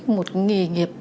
một nghề nghiệp